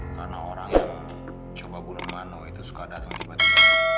karena orang yang coba bunuh mano itu suka datang tiba tiba